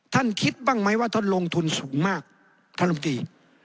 ท่านคิดบ้างไหมว่าท่านลงทุนสูงมากท่านลำตี